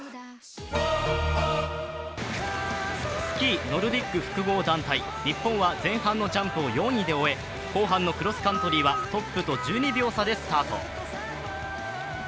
スキー・ノルディック複合団体、日本は前半のジャンプを４位で終え後半のクロスカントリーはトップと１２秒差でスタート。